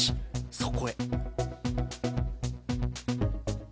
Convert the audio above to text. そこへ。